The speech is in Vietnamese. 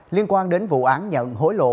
liên quan đến vụ án nhận hối lộ